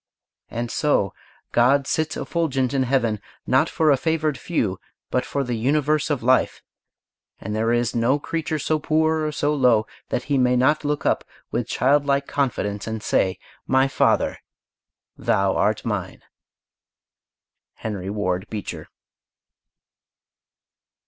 And so God sits effulgent in Heaven, not for a favored few, but for the universe of life; and there is no creature so poor or so low that he may not look up with child like confidence and say, "My Father! Thou art mine." HENRY WARD BEECHER.